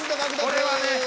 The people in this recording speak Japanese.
これはね。